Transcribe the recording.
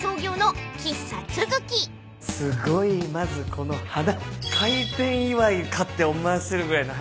すごいまずこの花開店祝いかって思わせるぐらいの花